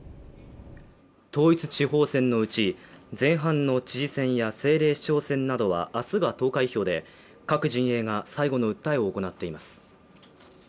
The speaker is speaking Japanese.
統一地方選のうち、前半の知事選や政令市長選などは明日が投開票で、各陣営が最後の訴えを行っています。